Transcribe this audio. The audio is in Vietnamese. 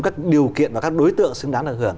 các điều kiện và các đối tượng xứng đáng được hưởng